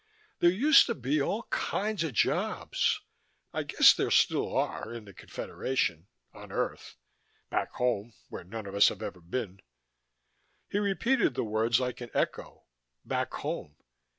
"There used to be all kinds of jobs. I guess there still are, in the Confederation. On Earth. Back home where none of us have ever been." He repeated the words like an echo: "Back home."